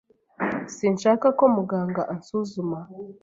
Sinshaka ko muganga ansuzuma.